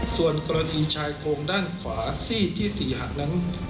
ส่วนกรณีชายโครงด้านขวาซีดที่๔หักนั้น